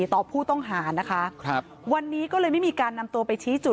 ต่อผู้ต้องหานะคะครับวันนี้ก็เลยไม่มีการนำตัวไปชี้จุด